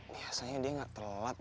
biasanya dia gak terlalu lat deh